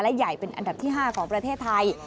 และใหญ่เป็นอันดับที่๕ของประเทศไทย